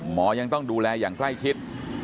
หมอยังต้องดูแลอย่างใกล้ชิด